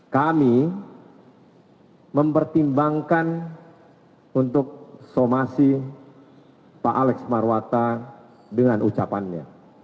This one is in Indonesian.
kami mempertimbangkan untuk somasi pak alex marwata dengan ucapannya